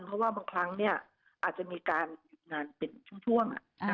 เพราะว่าบางครั้งเนี่ยอาจจะมีการยึดงานเป็นชั่วช่วง